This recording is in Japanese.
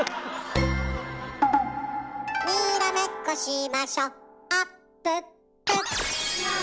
「にらめっこしましょあっぷっぷ」